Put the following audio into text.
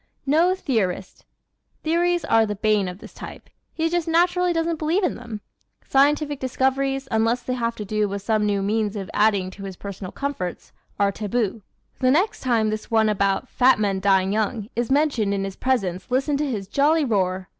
No Theorist ¶ Theories are the bane of this type. He just naturally doesn't believe in them. Scientific discoveries, unless they have to do with some new means of adding to his personal comforts, are taboo. The next time this one about "fat men dying young" is mentioned in his presence listen to his jolly roar.